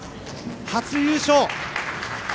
初優勝！